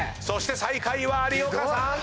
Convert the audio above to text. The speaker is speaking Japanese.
そして最下位は有岡さん。